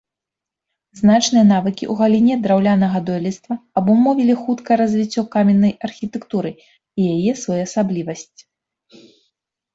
Значныя навыкі ў галіне драўлянага дойлідства абумовілі хуткае развіццё каменнай архітэктуры і яе своеасаблівасць.